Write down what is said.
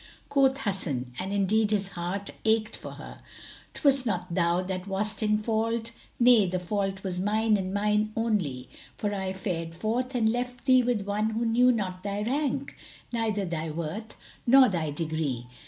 Quoth Hasan (and indeed his heart ached for her), "'Twas not thou that wast in fault; nay, the fault was mine and mine only, for I fared forth and left thee with one who knew not thy rank, neither thy worth nor thy degree.